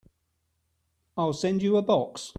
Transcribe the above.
I'll send you a box.